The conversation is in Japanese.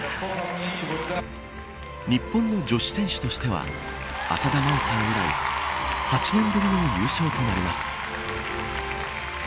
日本の女子選手としては浅田真央さん以来８年ぶりの優勝となります。